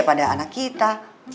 pada anak kita